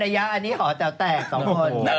อันนี้หอดสาวแตกสองคน